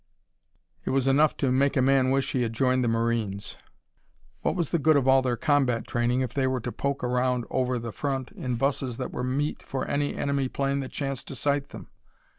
It was enough to make a man wish he had joined the Marines. What was the good of all their combat training if they were to poke around over the front in busses that were meat for any enemy plane that chanced to sight them?